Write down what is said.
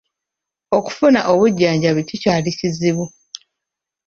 Okufuna obujjanjabi kikyali kizibu.